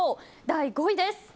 第５位です。